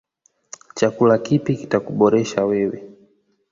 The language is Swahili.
Chakula kipi kita kuboresha wewe.